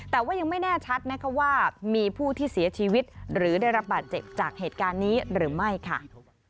แต่ว่ายังไม่แน่ชัดนะคะว่ามีผู้ที่เสียชีวิตหรือได้รับบาดเจ็บจากเหตุการณ์นี้หรือไม่ค่ะ